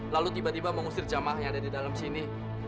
lalu tiba tiba mengusir jamaah yang ada di dalam sini